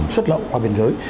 sất lộn qua biên giới